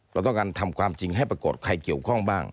เราต้องการทำความจริงให้ปรากฏใครเกี่ยวข้องบ้าง